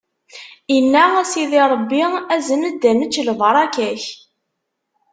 Inna: A Sidi Ṛebbi, azen-d ad nečč lbaṛaka-k!